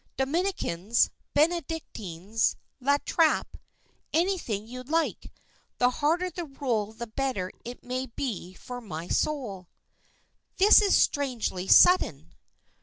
Dominicans, Benedictines, La Trappe, anything you like; the harder the rule the better it may be for my soul." "This is strangely sudden."